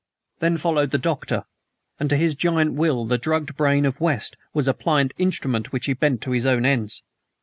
Then followed the Doctor, and to his giant will the drugged brain of West was a pliant instrument which he bent to his own ends.